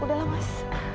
udah lah mas